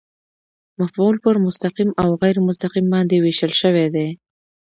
مفعول پر مستقیم او غېر مستقیم باندي وېشل سوی دئ.